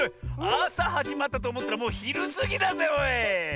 あさはじまったとおもったらもうひるすぎだぜおい！